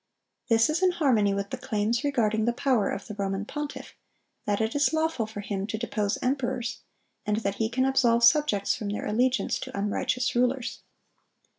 (1021) This is in harmony with the claims regarding the power of the Roman pontiff, that "it is lawful for him to depose emperors," and that "he can absolve subjects from their allegiance to unrighteous rulers."